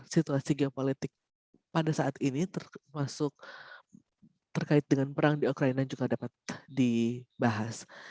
situasi geopolitik pada saat ini termasuk terkait dengan perang di ukraina juga dapat dibahas